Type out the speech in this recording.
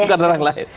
bukan orang lain